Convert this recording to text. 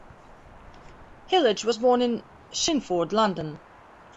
Hillage was born in Chingford, London.